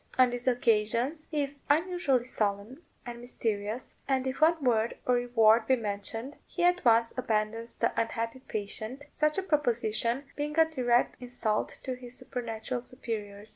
On these occasions he is unusually solemn and mysterious, and if one word of reward be mentioned he at once abandons the unhappy patient, such a proposition being a direct insult to his supernatural superiors.